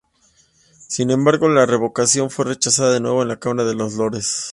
Sin embargo, la revocación fue rechazada de nuevo en la Cámara de los Lores.